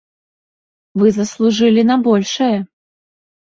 Вы заслужылі на большае.